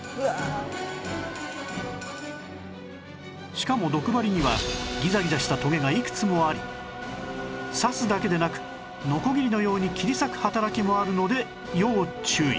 しかも毒針にはギザギザしたトゲがいくつもあり刺すだけでなくノコギリのように切り裂く働きもあるので要注意